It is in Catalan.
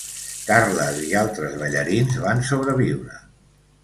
Carles i altres ballarins van sobreviure.